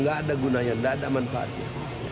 nggak ada gunanya tidak ada manfaatnya